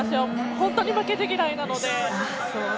本当に負けず嫌いなので。